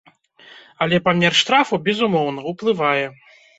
Але памер штрафу, безумоўна, уплывае.